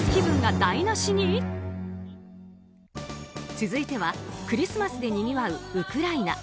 続いてはクリスマスでにぎわうウクライナ。